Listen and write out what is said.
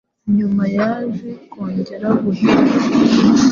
Nyuma yaje kongera guhigwa